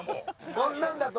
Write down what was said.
こんなんだと。